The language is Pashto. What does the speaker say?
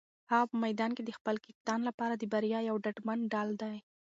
هغه په میدان کې د خپل کپتان لپاره د بریا یو ډاډمن ډال دی.